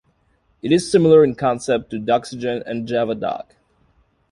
It is similar in concept to Doxygen and Javadoc.